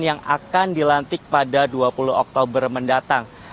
yang akan dilantik pada dua puluh oktober mendatang